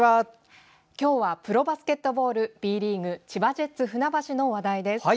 今日はプロバスケットボールＢリーグ千葉ジェッツふなばしの話題です。